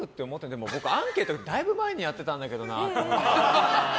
でもアンケート、僕だいぶ前にやってたんだけどなって思って。